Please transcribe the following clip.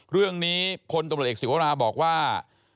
เรื่องนี้คนตำรวจเอกสิทธิ์โวราบอกว่า